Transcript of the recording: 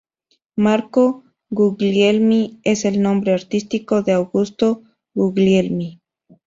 Marco Guglielmi es el nombre artístico de Augusto Guglielmi.